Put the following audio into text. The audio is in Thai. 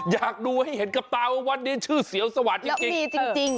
อยากดูให้เห็นกับตาวัดนี้ชื่อเสียวสวาดจริง